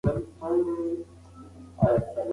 انا خپلې اوښکې په خپلو څېرو جامو کې پټې کړې.